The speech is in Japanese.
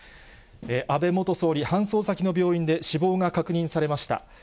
安倍元総理、搬送先の病院で死亡が確認されました。